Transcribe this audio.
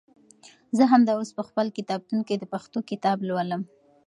زه همدا اوس په خپل کتابتون کې د پښتو کتاب لولم.